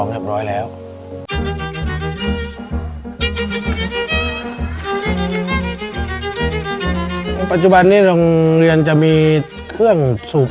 ในแคมเปญพิเศษเกมต่อชีวิตโรงเรียนของหนู